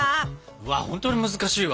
うわっほんとに難しいわ。